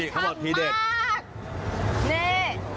ของพี่เด็กนี่ขนาดมาก